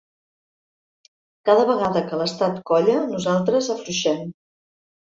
Cada vegada que l’estat colla, nosaltres afluixem.